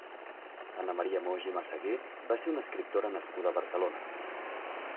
Anna Maria Moix i Meseguer va ser una escriptora nascuda a Barcelona.